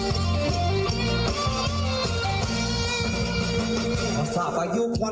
ไงนะเอาออก